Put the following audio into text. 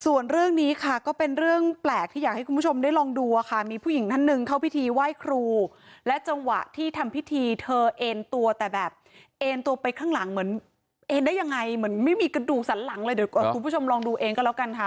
ส่วนเรื่องนี้ค่ะก็เป็นเรื่องแปลกที่อยากให้คุณผู้ชมได้ลองดูอะค่ะมีผู้หญิงท่านหนึ่งเข้าพิธีไหว้ครูและจังหวะที่ทำพิธีเธอเอ็นตัวแต่แบบเอ็นตัวไปข้างหลังเหมือนเอ็นได้ยังไงเหมือนไม่มีกระดูกสันหลังเลยเดี๋ยวคุณผู้ชมลองดูเองก็แล้วกันค่ะ